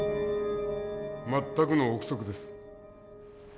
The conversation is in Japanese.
全くの臆測です。